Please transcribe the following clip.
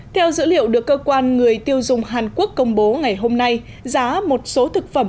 theo dữ liệu được cơ quan người tiêu dùng hàn quốc công bố ngày hôm nay giá một số thực phẩm